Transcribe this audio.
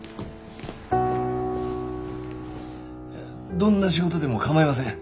どんな仕事でもかまいません。